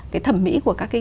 cái thẩm mỹ của các cái